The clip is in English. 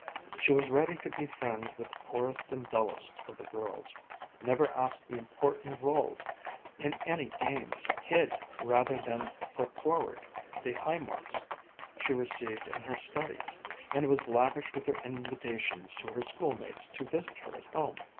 She was ready to be friends with the poorest and dullest of the girls, never asked the important rôles in any games, hid rather than put forward the high marks she received in her studies, and was lavish with her invitations to her schoolmates to visit her at home.